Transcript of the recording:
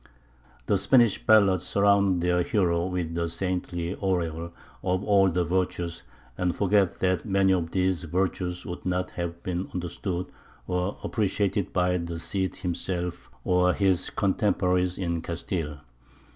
The Spanish ballads surround their hero with a saintly aureole of all the virtues, and forget that many of these virtues would not have been understood or appreciated by the Cid himself or his contemporaries in Castile.